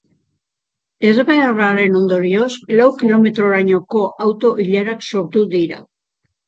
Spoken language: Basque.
Ezbeharraren ondorioz, lau kilometrorainoko auto-ilarak sortu dira.